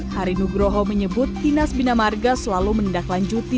hari nugroho menyebut dinas binamarga selalu mendaklanjuti